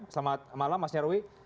selamat malam mas nyarwi